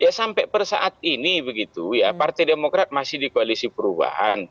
ya sampai per saat ini begitu ya partai demokrat masih di koalisi perubahan